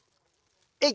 えい！